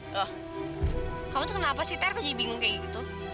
loh kamu tuh kenapa sih terpa jadi bingung kayak gitu